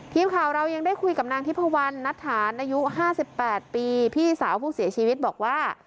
ทีมข่าวเรายังได้คุยกับนางทิพวันนัทธานอายุ๕๘ปีพี่สาวผู้เสียชีวิตบอกว่า